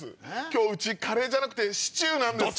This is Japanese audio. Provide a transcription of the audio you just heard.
今日うちカレーじゃなくてシチューなんです。